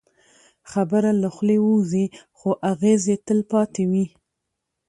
خبره له خولې ووځي، خو اغېز یې تل پاتې وي.